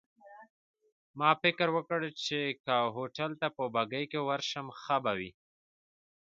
ما فکر وکړ، چي که هوټل ته په بګۍ کي ورشم ښه به وي.